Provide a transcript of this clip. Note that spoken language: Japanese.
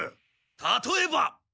たとえば！